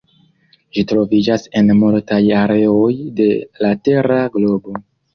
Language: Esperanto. Ĝi troviĝas en multaj areoj de la tera globo.